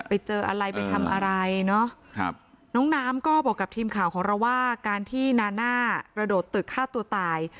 ไปเจออะไรไปทำอะไรเนอะครับน้องน้ำก็บอกกับทีมข่าวของเราว่าการที่นาน่ากระโดดตึกฆ่าตัวตาย